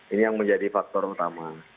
ini yang menjadi faktor utama